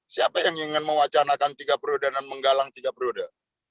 siapa yang ingin mewacanakan tiga periode dan menggalang tiga periode